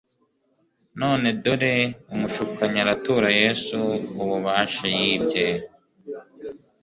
None dore umushukanyi aratura Yesu ububasha yibye.